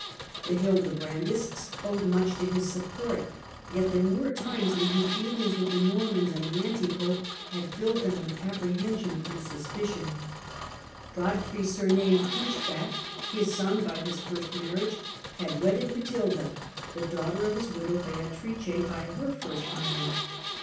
The Hildebrandists owed much to his support, yet there were times when his dealings with the Normans and the anti pope had ffiled them with apprehension and suspicion. Godfrey sur named * hunchback,' his son by his first marriage, had wedded Matilda the daughter of his widow Beatrice by her Digitized by VjOOQIC 70 HiLDBBRAND first marriage.